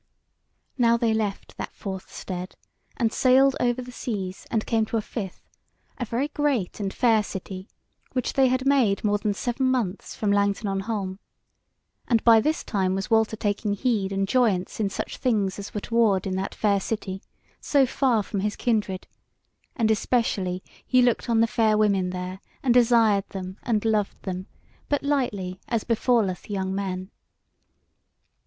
Now they left that fourth stead, and sailed over the seas and came to a fifth, a very great and fair city, which they had made more than seven months from Langton on Holm; and by this time was Walter taking heed and joyance in such things as were toward in that fair city, so far from his kindred, and especially he looked on the fair women there, and desired them, and loved them; but lightly, as befalleth young men.